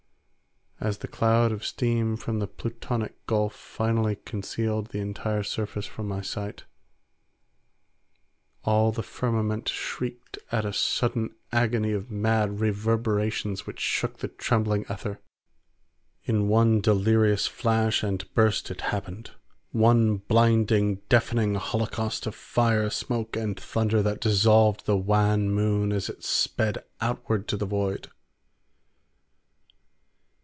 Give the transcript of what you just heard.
As the cloud of steam from the Plutonic gulf finally concealed the entire surface from my sight, all the firmament shrieked at a sudden agony of mad reverberations which shook the trembling aether. In one delirious flash and burst it happened; one blinding, deafening holocaust of fire, smoke, and thunder that dissolved the wan moon as it sped outward to the void.